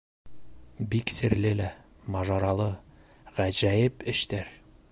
Бик серле лә, мажаралы, Ғәжәйеп эштәр